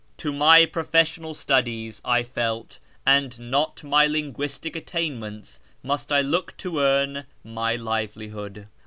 To my j)ro fessional studies, I felt, and not to my linguistic attainments, must I look to earn my livelihood.